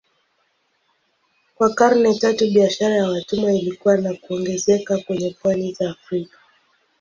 Kwa karne tatu biashara ya watumwa ilikua na kuongezeka kwenye pwani za Afrika.